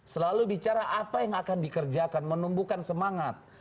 selalu bicara apa yang akan dikerjakan menumbuhkan semangat